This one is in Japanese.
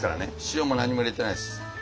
塩も何も入れてないです。